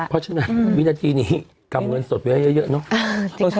เพราะฉะนั้นวินาทีนี้กำเงินสดไว้เยอะเนอะ